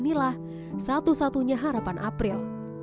inilah satu satunya harapan april